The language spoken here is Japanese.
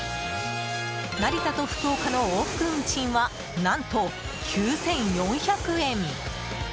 成田と福岡の往復運賃は何と９４００円！